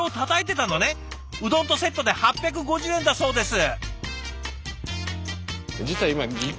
うどんとセットで８５０円だそうです。